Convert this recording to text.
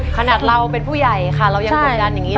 ขนาดเราเป็นผู้ใหญ่ค่ะเรายังกดดันอย่างนี้